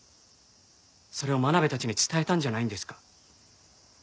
それを真鍋たちに伝えたんじゃないんですか？